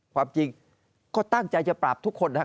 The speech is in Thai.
ความจริงก็ตั้งใจจะปราบทุกคนนะครับ